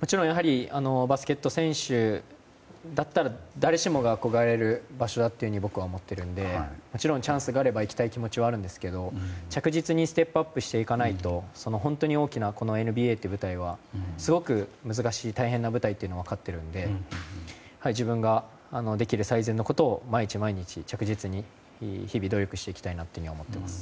もちろんバスケット選手だったら誰しもが憧れる場所だと僕は思っているのでもちろんチャンスがあれば行きたい気持ちはあるんですけど着実にステップアップしていかないと本当に大きなＮＢＡという舞台はすごく難しい大変な舞台というのは分かってるので自分ができる最善のことを毎日、毎日着実に日々、努力していきたいなと思っています。